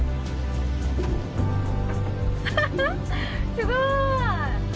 すごーい！